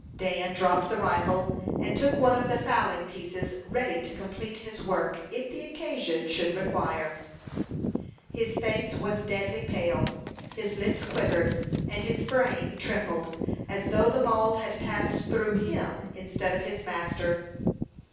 Dan dropped the rifle, and took one of the fowling pieces, ready to complete his work if the occasion should require. His face was deadly pale, his lips quivered, and his frame trembled, as though the ball had passed through him, instead of his master.